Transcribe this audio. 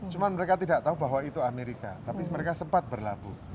cuma mereka tidak tahu bahwa itu amerika tapi mereka sempat berlabuh